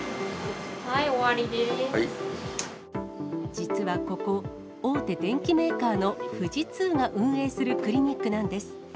実はここ、大手電機メーカーの富士通が運営するクリニックなんです。